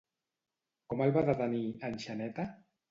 Com el va detenir, en Xaneta?